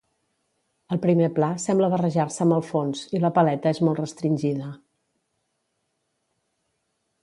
El primer pla sembla barrejar-se amb el fons, i la paleta és molt restringida.